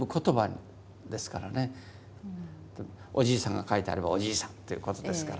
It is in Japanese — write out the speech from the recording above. おじいさんが描いてあればおじいさんっていうことですから。